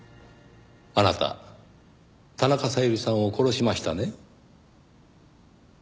あなた田中小百合さんを殺しましたね？